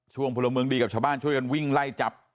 พลเมืองดีกับชาวบ้านช่วยกันวิ่งไล่จับ